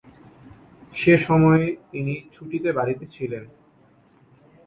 সে সময়ে তিনি ছুটিতে বাড়িতে ছিলেন।